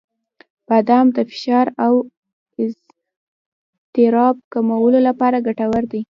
• بادام د فشار او اضطراب کمولو لپاره ګټور دي.